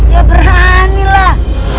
ya berani lah